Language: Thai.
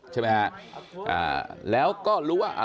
ใช่ไหมฮะแล้วก็รู้ว่า